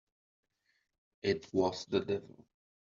It was the devil!